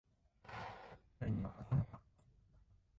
彼には勝てなかった。